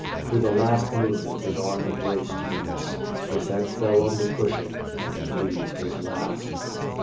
With a last movement his arm embraced Eunice, his head fell on the cushion and he breathed his last.